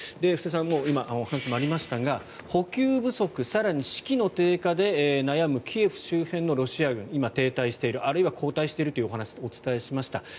布施さんのお話にもありましたが補給不足、更に士気の低下で悩むキエフ周辺のロシア軍今、停滞しているあるいは後退しているという話をお伝えしました。